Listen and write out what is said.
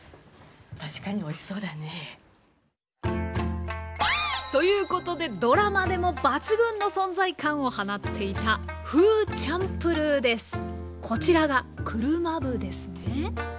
確かにおいしそうだね。ということでドラマでも抜群の存在感を放っていたこちらが車麩ですね。